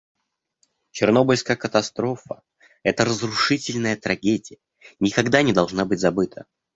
Чернобыльская катастрофа, эта разрушительная трагедия, никогда не должна быть забыта.